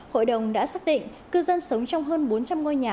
hội đồng đã xác định cư dân sống trong hơn bốn trăm linh ngôi nhà